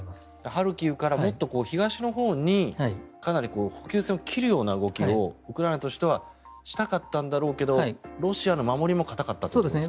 ハルキウからもっと東のほうにかなり補給線を切るような動きをウクライナとしてはしたかったんだろうけどロシアの守りも固かったということですか？